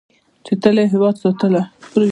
چې تل یې هیواد ساتلی.